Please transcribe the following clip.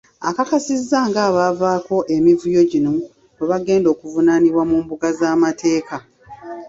Akakasizza ng'abaavaako emivuyo gino bwe bagenda okuvunaanibwa mu mbuga z'amateeka.